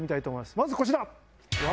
まずこちら。